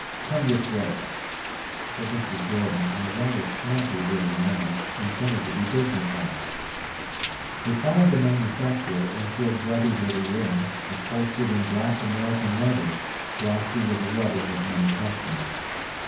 "Come this way," said Mr. Jordan, in a rather snappy little manner intended to be businesslike. They followed the manufacturer into a grubby little room, upholstered in black American leather, glossy with the rubbing of many customers.